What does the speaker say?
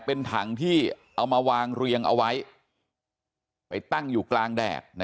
เป็นถังที่เอามาวางเรียงเอาไว้ไปตั้งอยู่กลางแดด